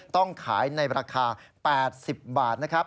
ต้องขายในราคา๘๐บาทนะครับ